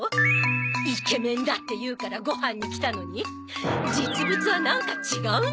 イケメンだっていうからごはんに来たのに実物はなんか違うんです！